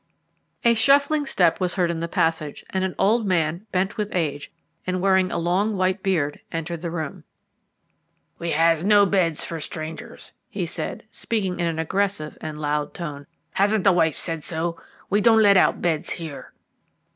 A shuffling step was heard in the passage, and an old man, bent with age, and wearing a long white beard, entered the room. "We has no beds for strangers," he said, speaking in an aggressive and loud tone. "Hasn't the wife said so? We don't let out beds here."